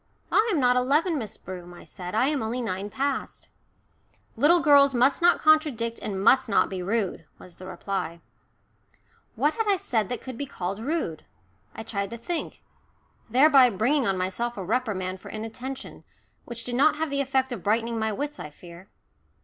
"I am not eleven, Miss Broom," I said. "I am only nine past." [Illustration: "LITTLE GIRLS MUST NOT CONTRADICT, AND MUST NOT BE RUDE."] "Little girls must not contradict, and must not be rude," was the reply. What had I said that could be called rude? I tried to think, thereby bringing on myself a reprimand for inattention, which did not have the effect of brightening my wits, I fear.